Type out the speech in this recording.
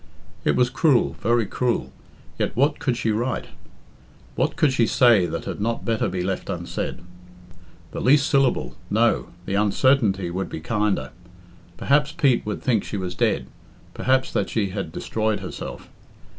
It was cruel very cruel yet what could she write? What could she say that had not better be left unsaid? The least syllable no, the uncertainty would be kinder. Perhaps Pete would think she was dead perhaps that she had destroyed herself.